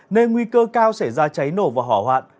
nên nguy cơ cao xảy ra cháy nổ và hỏa hoạn